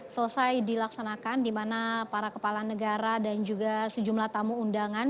selesai dilaksanakan di mana para kepala negara dan juga sejumlah tamu undangan